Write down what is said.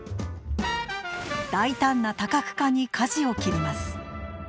大胆な多角化にかじを切ります。